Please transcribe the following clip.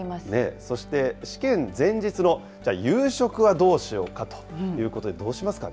そして、試験前日の夕食はどうしようかということで、どうしますかね。